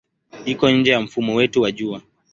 Iko nje ya mfumo wetu wa Jua.